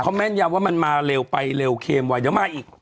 เขาแม่นยำว่ามันมาเร็วไปเร็วเคมไว้เดี๋ยวมาอีก